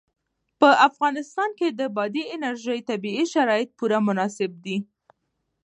په افغانستان کې د بادي انرژي لپاره طبیعي شرایط پوره مناسب دي.